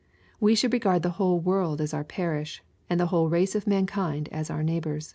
We should regard the whole world as our parish, and the whole race of mankind as our neighbor.